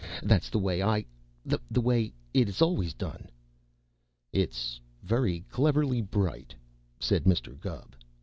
That's the way I the way it is always done." "It's very cleverly bright," said Mr. Gubb.